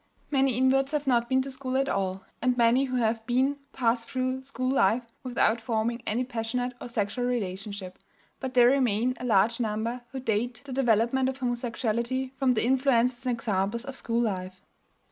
Many inverts have not been to school at all, and many who have been pass through school life without forming any passionate or sexual relationship; but there remain a large number who date the development of homosexuality from the influences and examples of school life.